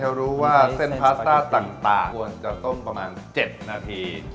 จะรู้ว่าเส้นพาสต้าต่างควรจะต้มประมาณ๗นาที